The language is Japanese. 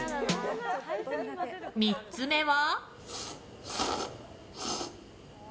３つ目は。